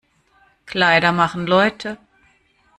Kleider machen Leute.